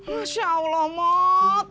masya allah mot